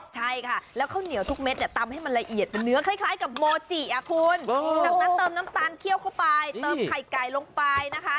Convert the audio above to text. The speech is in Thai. เช่นนั้นเติมน้ำตาลเข้าไปเติบไข่ไก่ลงไปนะคะ